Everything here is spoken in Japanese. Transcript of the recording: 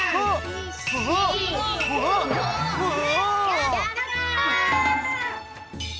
やった！